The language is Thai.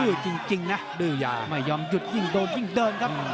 ดื้อจริงนะไม่ยอมหยุดยิ่งโดนยิ่งเดินครับ